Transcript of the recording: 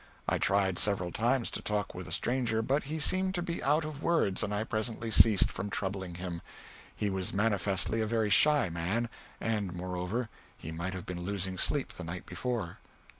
I tried several times to talk with the stranger, but he seemed to be out of words and I presently ceased from troubling him. He was manifestly a very shy man, and, moreover, he might have been losing sleep the night before.